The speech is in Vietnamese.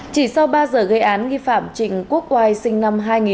chỉ sau ba giờ gây án nghi phạm trình quốc oai sinh năm hai nghìn